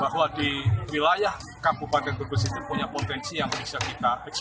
bahwa di wilayah kabupaten teguh sistem punya potensi yang bisa kita eksplor